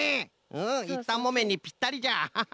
うんいったんもめんにぴったりじゃアハハ。